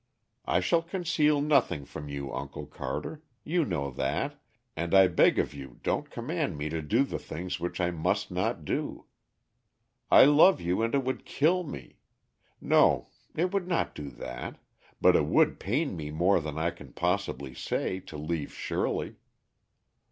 I shall conceal nothing from you, Uncle Carter; you know that, and I beg of you don't command me to do the things which I must not do. I love you and it would kill me no, it would not do that, but it would pain me more than I can possibly say, to leave Shirley."